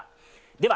では